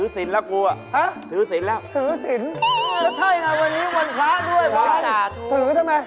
สาถือทำไม